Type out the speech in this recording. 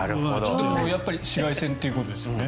やっぱり紫外線ということですよね。